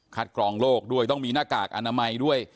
กรองโลกด้วยต้องมีหน้ากากอนามัยด้วย